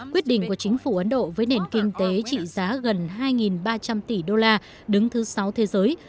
quyết định của chính phủ ấn độ với nền kinh tế trị giá gần hai ba trăm linh tỷ đô la đứng thứ sáu thế giới